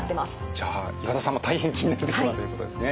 じゃあ岩田さんも大変気になるテーマということですね。